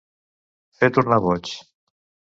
Fer tornar boig.